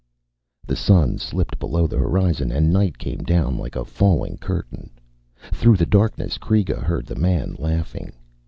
The sun slipped below the horizon and night came down like a falling curtain. Through the darkness Kreega heard the man laughing.